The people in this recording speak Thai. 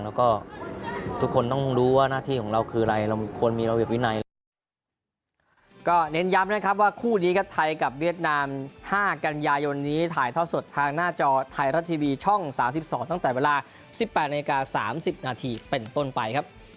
แล้วก็ทุกคนต้องรู้ว่าหน้าที่ของเราคืออะไรเราควรมีระเบียบวินัยแล้ว